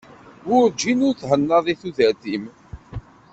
Werǧin i thennaḍ deg tudert-im.